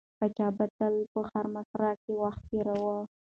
پاچا به تل په حرمسرا کې وخت تېراوه.